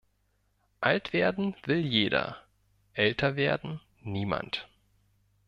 Alt werden will jeder, älter werden niemand.